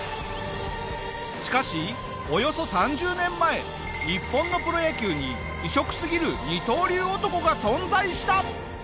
しかしおよそ３０年前日本のプロ野球に異色すぎる二刀流男が存在した！